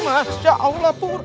masya allah pur